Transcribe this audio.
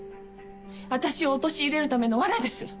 私を陥れるための罠です。